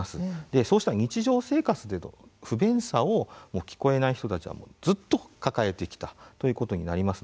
そうした日常生活での不便さを聞こえない人たちは、ずっと抱えてきたということになります。